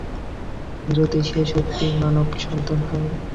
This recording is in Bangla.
যদি সে সত্যিই মানব সন্তান হয়?